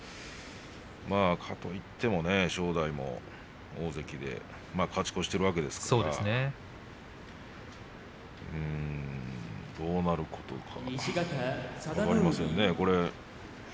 かといって、正代も大関で勝ち越しているわけですからどうなることか分かりませんね。